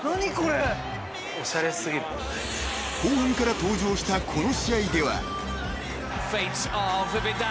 ［後半から登場したこの試合では］